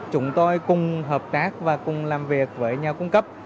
chúng tôi cùng hợp tác và cùng làm việc với nhà cung cấp